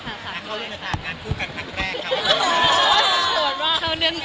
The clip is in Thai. เข้าเรื่องจากงานคู่กันครั้งแรก